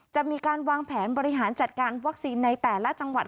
จะมีการวางแผนบริหารจัดการวัคซีนในแต่ละจังหวัด